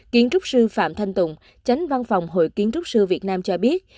kiến trúc sư phạm thanh tùng tránh văn phòng hội kiến trúc sư việt nam cho biết